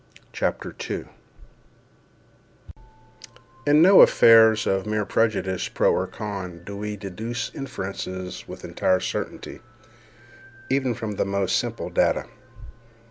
CHAPTER 2 In no affairs of mere prejudice, pro or con, do we deduce inferences with entire certainty, even from the most simple data.